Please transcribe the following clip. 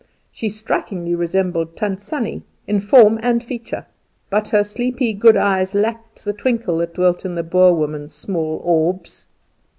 She strikingly resembled Tant Sannie, in form and feature, but her sleepy good eyes lacked that twinkle that dwelt in the Boer woman's small orbs.